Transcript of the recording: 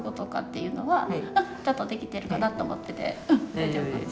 大丈夫です。